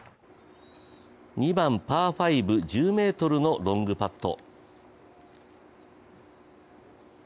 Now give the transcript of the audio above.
２番・パー５、１０ｍのロングパット。